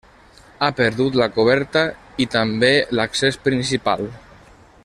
Ha perdut la coberta i també l'accés principal.